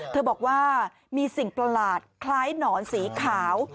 บอกว่ามีสิ่งประหลาดคล้ายหนอนสีขาว